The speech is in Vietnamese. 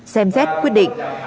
xem rét quyết định